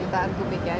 jutaan kubik ya